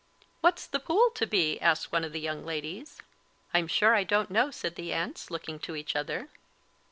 "What's the pool to be?" asked one of the young ladies. "I'm sure I don't know," said the aunts, looking to each other.